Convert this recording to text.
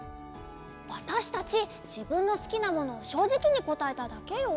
わたしたちじぶんのすきなものをしょうじきにこたえただけよ。